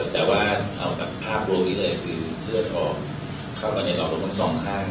แต่ว่าเอาแบบภาพรวมดีเลยคือเลือดออกเข้ากับเน็ตหลอกตรงสองข้าง